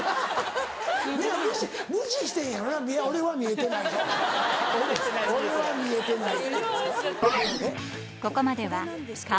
無視してんやろな俺は見えてない俺は見えてない。